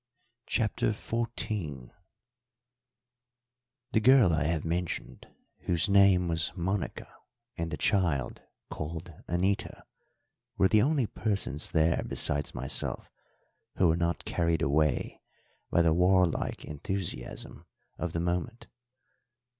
CHAPTER XIV The girl I have mentioned, whose name was Monica, and the child, called Anita, were the only persons there besides myself who were not carried away by the warlike enthusiasm of the moment.